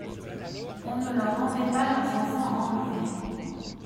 On ne leur rendait pas leurs enfants enlevés.